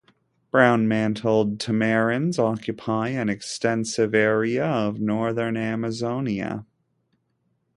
Brown-mantled tamarins occupy an extensive area of northern Amazonia.